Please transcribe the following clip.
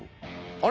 あれ？